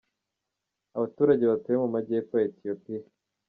Abaturage batuye mu majyepfo ya Etiyopia.